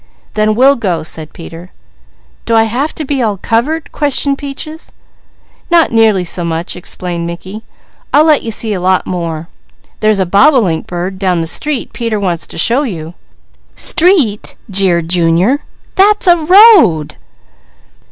"Then we'll go," said Peter. "Do I have to be all covered?" questioned Peaches. "Not nearly so much," explained Mickey. "I'll let you see a lot more. There's a bobolink bird down the street Peter wants to show you." "'Street!'" jeered Junior. "That's a road!"